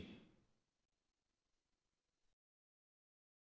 dan optimalkan fiskal daerah untuk mengendalikan inflasi